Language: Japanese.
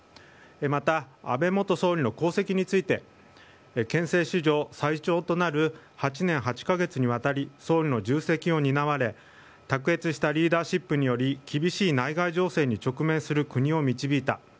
また、安倍元総理の功績について憲政史上最長となる８年８カ月にわたり総理の重責を担われ卓越したリーダーシップにより厳しい内外情勢に直面する国を導いた。